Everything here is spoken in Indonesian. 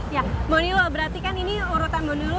ya mbok milo berarti kan ini urutan mbok milo